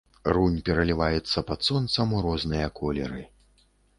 Рунь пераліваецца пад сонцам у розныя колеры.